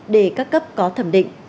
để các cấp có thẩm định